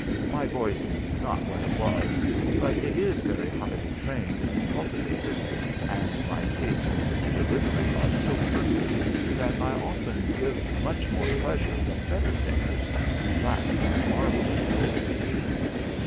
My voice is not what it was ; but it is very highly trained and cultivated, and my taste and delivery are so perfect that I often give much more pleas ure than better singers who lack my marvellous poetic feeling.